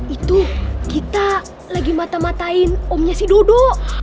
itu kita lagi mata matain omnya si duduk